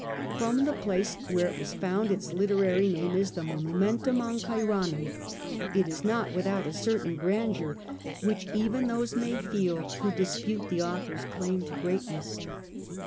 From the place where it was found its literary name is the ^ Monumentum Ancyranum.^ It is not without a certain grandeur, which even those may feel who dis pute the author's claim to greatness.